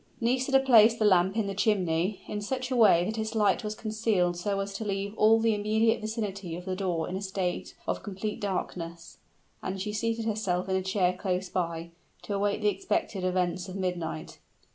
Nisida placed the lamp in the chimney, in such a way that its light was concealed so as to leave all the immediate vicinity of the door in a state of complete darkness; and she seated herself in a chair close by, to await the expected events of midnight.